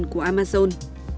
trần của amazon